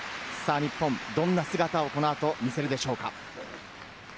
日本、どんな姿をこの後、見せるでしょうか？